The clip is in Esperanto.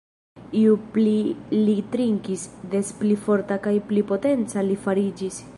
Ju pli li trinkis, des pli forta kaj pli potenca li fariĝis.